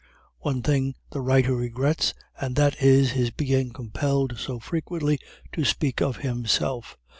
One thing the writer regrets, and that is his being compelled so frequently to speak of himself.